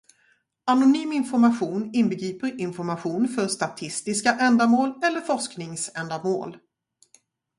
Anonym information inbegriper information för statistiska ändamål eller forskningsändamål.